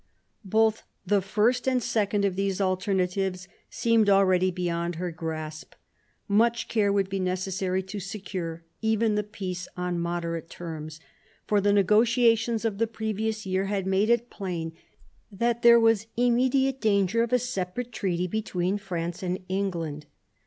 Both the first and second of these alternatives seemed already beyond her grasp. Much care would be necessary to secure even the peace on moderate terms ; for the negotiations of the previous year had made it plain that there was immediate danger of a separate treaty between France and England.